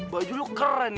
baju kamu keren